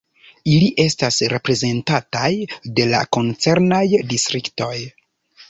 Ili estas reprezentataj de la koncernaj distriktoj.